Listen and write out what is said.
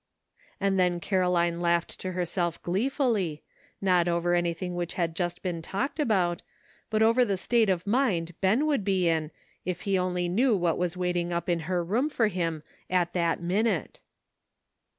And then Caroline laughed to herself glee fully, not over anything which had just been talked about, but over the state of mind Ben would be in if he only knew what was waiting up in her room for him at that minute.